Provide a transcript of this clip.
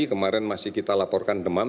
kemarin masih kita laporkan demam